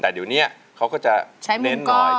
สวัสดีครับคุณหน่อย